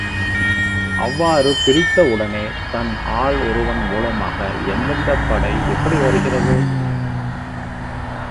அவ்வாறு பிரித்த உடனே தன் ஆள் ஒருவன் மூலமாக, எந்தெந்தப் படை எப்படி வருகிறது?